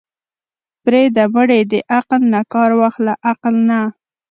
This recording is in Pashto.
پرېده مړې د عقل نه کار واخله عقل نه.